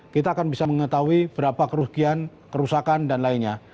kita akan bisa mengetahui berapa kerugian kerusakan dan lainnya